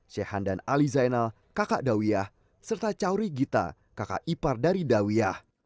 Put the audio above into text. syekh handan ali zainal kakak dawiyah serta cawri gita kakak ipar dari dawiyah